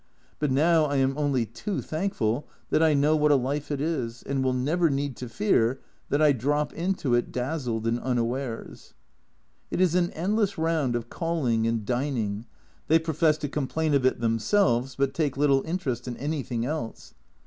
But now I am only too thankful that I know what a life it is, and will never need to fear that I drop into it dazzled and unawares. It is an endless round of calling and dining : they profess to complain of it themselves, but take little interest in anything else.